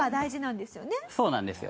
そうなんですよ。